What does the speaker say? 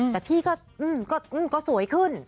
แต่พี่ก็อื่ออื้อสวยขึ้น